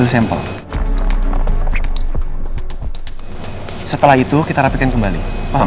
setelah itu kita rapikan kembali